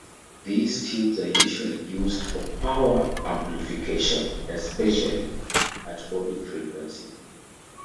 These tubes are usually used for power amplification, especially at audio-frequency.